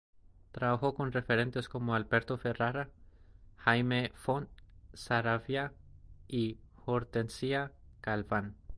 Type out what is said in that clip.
Trabajó con referentes como Alberto Ferrara, Jaime Font Saravia y Hortensia Galván.